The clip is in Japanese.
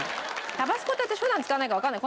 タバスコって私普段使わないからわかんない。